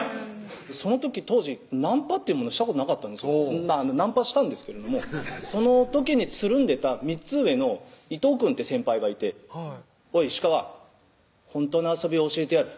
その時当時ナンパってものをしたことなかったんですナンパしたんですけれどもその時につるんでた３つ上の伊藤くんって先輩がいて「おい石川ほんとの遊びを教えてやる」